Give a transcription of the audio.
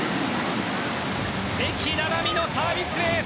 関菜々巳のサービスエース。